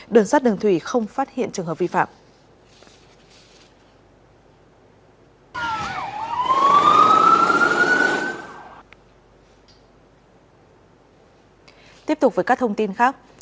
đường sắt đường thủy không phát hiện trường hợp vi phạm